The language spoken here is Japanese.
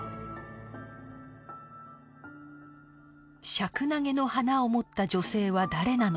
シャクナゲの花を持った女性は誰なのか？